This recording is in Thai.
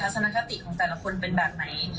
สถานการณ์ของแต่ละคนเป็นแบบไหน